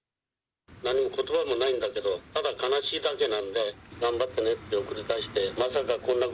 何もことばもないんだけど、ただ悲しいだけなんで、頑張ってねって送り出して、まさかこんな